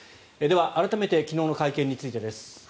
では、改めて昨日の会見についてです。